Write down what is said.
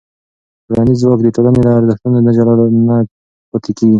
ټولنیز ځواک د ټولنې له ارزښتونو نه جلا نه پاتې کېږي.